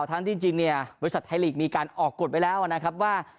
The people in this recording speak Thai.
ทั้งที่จริงเนี่ยบริษัทไทยลีกมีการออกกฎไปแล้วนะครับว่า